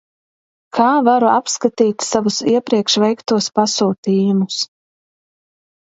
Kā varu apskatīt savus iepriekš veiktos pasūtījumus?